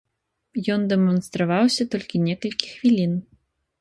Ён дэманстраваўся толькі некалькі хвілін.